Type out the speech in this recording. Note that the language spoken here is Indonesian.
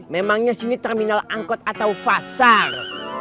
memangnya sini terminal angkot atau fasal